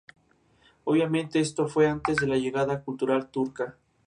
Obviamente, esto fue antes de la llegada cultural turca.